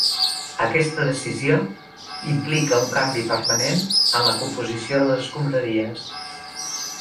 Aquesta decisió implica un canvi permanent en la composició de les escombraries.